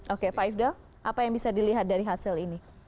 oke pak ifdal apa yang bisa dilihat dari hasil ini